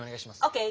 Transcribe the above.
ＯＫ！